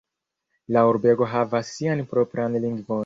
La urbego havas sian propran lingvon.